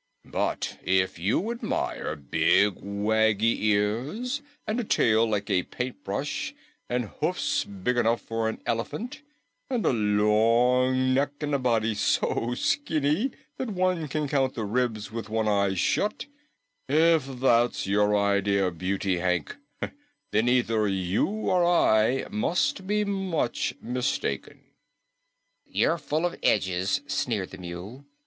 But if you admire big, waggy ears and a tail like a paintbrush and hoofs big enough for an elephant and a long neck and a body so skinny that one can count the ribs with one eye shut if that's your idea of beauty, Hank, then either you or I must be much mistaken." "You're full of edges," sneered the Mule.